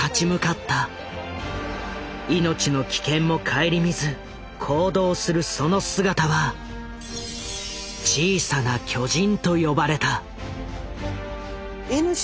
命の危険も顧みず行動するその姿は「小さな巨人」と呼ばれた。